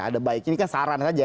ada baik ini kan saran saja